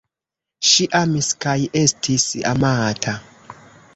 Ŝi amis kaj estis amata.